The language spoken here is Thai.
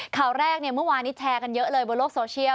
ข่าวแรกเนี่ยเมื่อวานนี้แชร์กันเยอะเลยบนโลกโซเชียล